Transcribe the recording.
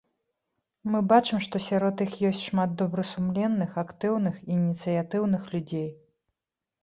Мы бачым, што сярод іх ёсць шмат добрасумленных, актыўных, ініцыятыўных людзей.